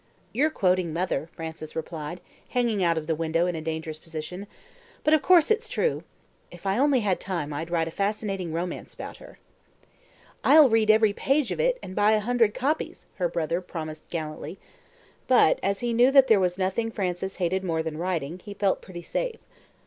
"You're quoting mother," Frances replied, hanging out of the window in a dangerous position; "but, of course, it's true. If I only had time I'd write a fascinating romance about her." "I'll read every page of it and buy a hundred copies," her brother promised gallantly; but, as he knew that there was nothing Frances hated more than writing, he felt pretty safe.